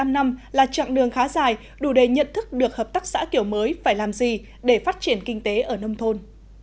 một mươi năm năm là chặng đường khá dài đủ để nhận thức được hợp tác xã kiểu mới phải làm gì để phát triển kinh tế ở nông thôn